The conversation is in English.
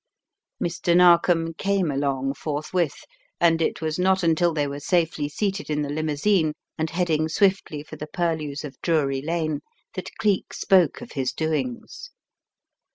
' Mr. Narkom "came along" forthwith and it was not until they were safely seated in the limousine and heading swiftly for the purlieus of Drury Lane, that Cleek spoke of his doings.